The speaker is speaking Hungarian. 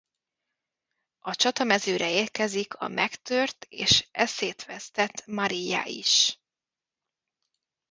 A csatamezőre érkezik a megtört és eszét vesztett Marija is.